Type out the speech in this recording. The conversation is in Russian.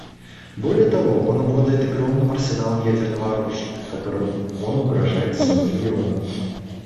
Более того, он обладает огромным арсеналом ядерного оружия, которым он угрожает всему региону.